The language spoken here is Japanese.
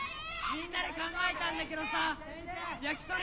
みんなで考えたんだけどさヤキトリ